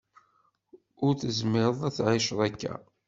Ur tezmireḍ ad tεiceḍ akka.